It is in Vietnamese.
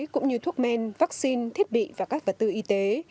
cũng như thuốc men vaccine thiết bị và các vật tư y tế